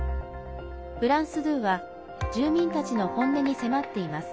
フランス２は住民たちの本音に迫っています。